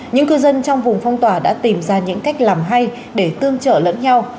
những cư dân trong vùng phong tỏa đã tìm ra những cách làm hay để tương trợ lẫn nhau